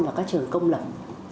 vào các trường công lập